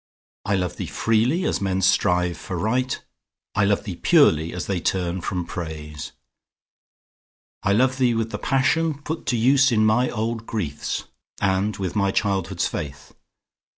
I love thee freely, as men strive for Right; I love thee purely, as they turn from Praise. I love thee with the passion put to use In my old griefs, and with my childhood's faith.